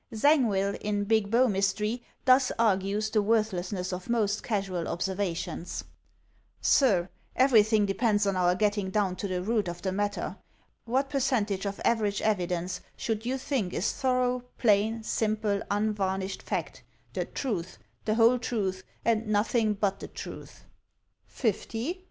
Zangwill in "Big Bow Mystery" thus argues the worth lessness of most casual observation : "Sir, everything depends on our getting down to the root of the matter. What percentage of average evidence should you think is thorough, plain, simple, unvarnished fact, 'the truth, the whole truth, and nothing but the truth?' " "Fifty?"